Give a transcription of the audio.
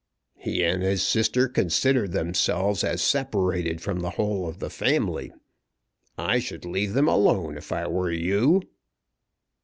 He and his sister consider themselves as separated from the whole of the family. I should leave them alone if I were you."